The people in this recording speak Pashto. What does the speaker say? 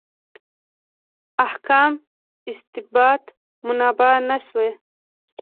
احکام استنباط مبنا نه شوي.